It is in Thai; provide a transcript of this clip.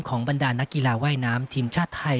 บรรดานักกีฬาว่ายน้ำทีมชาติไทย